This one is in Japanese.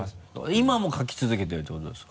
今も描き続けてるっていうことですか？